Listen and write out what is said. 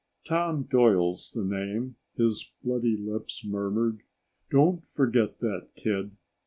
"Tom Doyle's the name," his bloody lips murmured. "Don't forget that, kid.